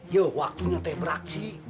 ya waktunya teh beraksi